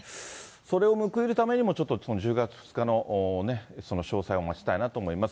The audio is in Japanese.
それに報いるためにも、ちょっと１０月２日のその詳細を待ちたいなと思います。